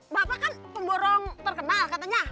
bapak kan pemborong terkenal katanya